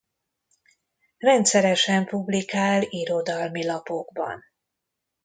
Rendszeresen publikál irodalmi lapokban.